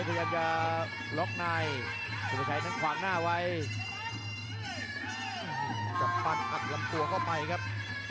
พยายามจะล๊อคในสุประชัยนั่งขวานหน้าไวจะปั่นกับลำตัวก็ไปครับ